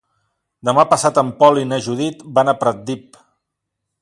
Demà passat en Pol i na Judit van a Pratdip.